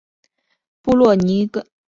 布洛尼拉格拉斯。